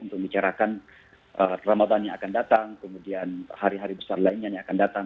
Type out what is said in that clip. untuk membicarakan ramadhan yang akan datang kemudian hari hari besar lainnya yang akan datang